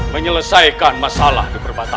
menyelesaikan masalah di perbatasan